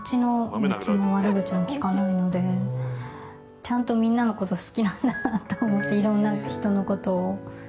ちゃんとみんなの事好きなんだなと思って色んな人の事を。